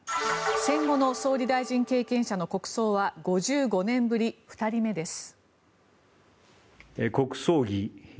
戦後の総理大臣経験者の国葬は５５年ぶり２人目です。